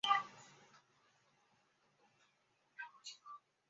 格拉摩根地区最初是以农牧业为主的地区。